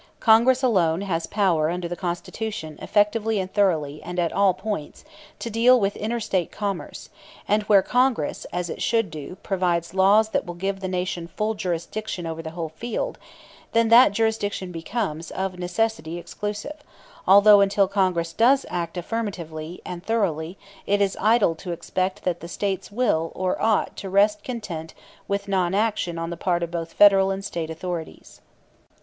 Congress alone has power under the Constitution effectively and thoroughly and at all points to deal with inter State commerce, and where Congress, as it should do, provides laws that will give the Nation full jurisdiction over the whole field, then that jurisdiction becomes, of necessity, exclusive although until Congress does act affirmatively and thoroughly it is idle to expect that the States will or ought to rest content with non action on the part of both Federal and State authorities.